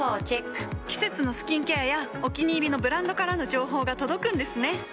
季節のスキンケアやお気に入りのブランドからの情報が届くんですね。